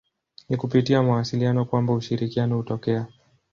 Ni kupitia mawasiliano kwamba ushirikiano hutokea.